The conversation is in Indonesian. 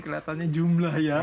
kelihatannya jumlah ya